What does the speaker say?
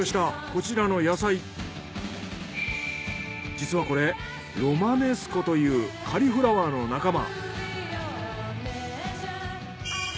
実はこれロマネスコというカリフラワーの仲間。